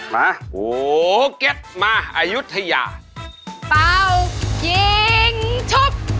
มาสุโคไทยครับสุโคไทยครับสุโคไทยครับ